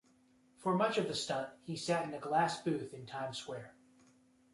For much of the stunt, he sat in a glass booth in Times Square.